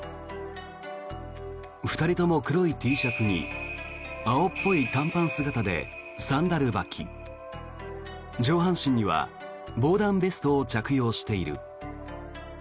２人とも黒いＴシャツに青っぽい短パン姿でサンダル履き上半身には防弾ベストを着用している。